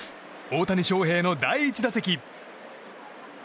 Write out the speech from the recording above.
大谷翔平の第１打席。